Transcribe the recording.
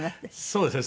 そうですね。